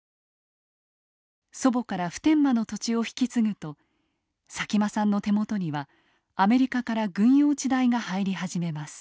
祖母から普天間の土地を引き継ぐと佐喜眞さんの手元にはアメリカから軍用地代が入り始めます。